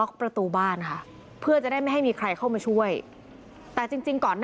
คุณุอธิง